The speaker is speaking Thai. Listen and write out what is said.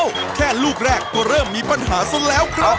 แค่ลูกแรกก็เริ่มมีปัญหาซะแล้วครับ